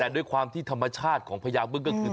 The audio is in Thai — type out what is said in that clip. แต่ด้วยความที่ธรรมชาติของพญาบึ้งก็คือ